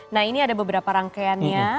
nah ini ada beberapa rangkaiannya